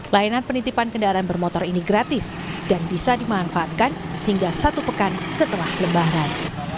layanan penitipan kendaraan bermotor ini gratis dan bisa dimanfaatkan hingga satu pekan setelah lebaran